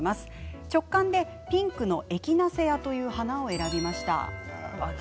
直感で、ピンクのエキナセアという花を選びました。